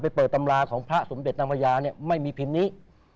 ไปเปิดตำราของพระสมเดชนัพยาไม่มีพิมพ์นี้